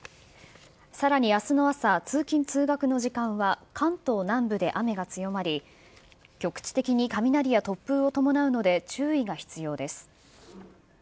さらにあすの朝、通勤・通学の時間は関東南部で雨が強まり、局地的に雷や突風を伴うので注意が必要です。